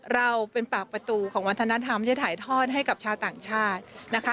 เราเป็นปากประตูของวัฒนธรรมที่ถ่ายทอดให้กับชาวต่างชาตินะคะ